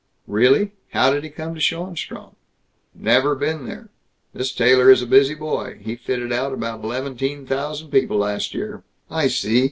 "Really? How did he come to Schoenstrom?" "Never been there. This tailor is a busy boy. He fitted about eleventeen thousand people, last year." "I see.